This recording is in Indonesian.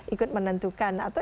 ikut menentukan atau